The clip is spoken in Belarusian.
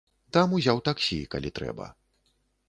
Там узяў таксі, калі трэба.